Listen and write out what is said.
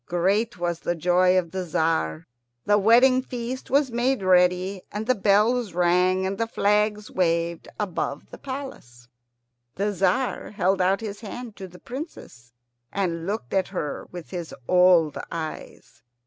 Great was the joy of the Tzar. The wedding feast was made ready, and the bells rang, and flags waved above the palace. The Tzar held out his hand to the Princess, and looked at her with his old eyes.